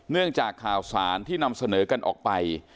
เนื่องจากข่าวสารที่นำเสนอกันออกไป